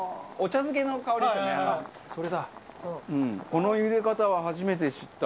この茹で方は初めて知った。